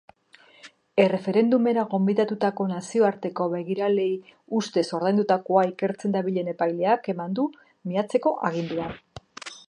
Erreferendumera gonbidatutako nazioarteko begiraleei ustez ordaindutakoa ikertzen dabilen epaileak eman du miatzeko agindua.